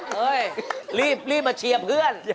เฮ้ยรีบมาเชียร์เพื่อน